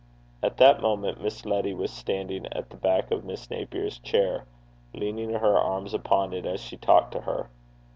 At that moment Miss Letty was standing at the back of Miss Napier's chair, leaning her arms upon it as she talked to her.